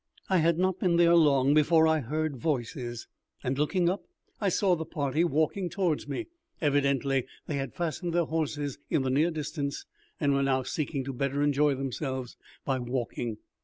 I had not been there long before I heard voices, and, looking up, I saw the party walking towards me. Evidently they had fastened their horses in the near distance, and were now seeking to better enjoy themselves by walking.